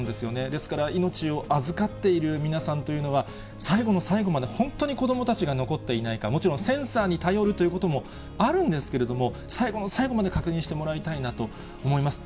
ですから、命を預かっている皆さんというのは、最後の最後まで、本当に子どもたちが残っていないか、もちろんセンサーに頼るということもあるんですけれども、最後の最後まで確認してもらいたいな思います。